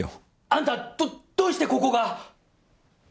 あんたどどうしてここが！